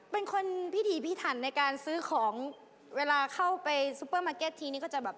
เป็นคนพิถีพิถันในการซื้อของเวลาเข้าไปซุปเปอร์มาร์เก็ตทีนี้ก็จะแบบ